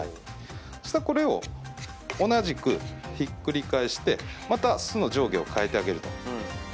そしたらこれを同じくひっくり返してまた酢の上下を換えてあげると。